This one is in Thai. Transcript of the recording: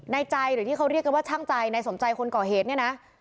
ในใจหรือที่เขาเรียกกันว่าช่างใจในสมใจคนก่อเหตุเนี่ยนะ